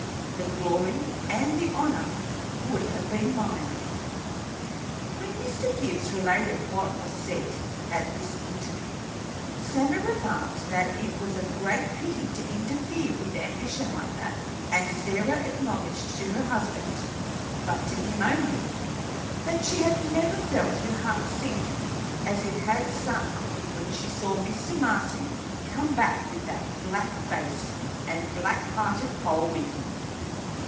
The glory and the honor would have been mine." When Mr. Gibbs related what was said at this interview, Sammy remarked that it was a great pity to interfere with ambition like that, and Sarah acknowledged to her husband, but to him only, that she had never felt her heart sink as it had sunk when she saw Mr. Marcy coming back with that black faced and black hearted Pole with him.